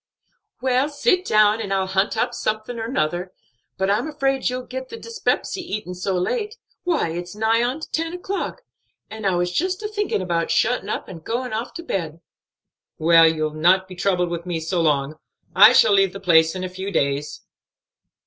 Well, sit down, and I'll hunt up something or 'nother. But I'm afraid you'll get the dyspepsy eatin' so late; why, it's nigh on to ten o'clock; and I was just a thinking' about shutting' up and going off to bed." "Well, you'll not be troubled with me long. I shall leave the place in a few days."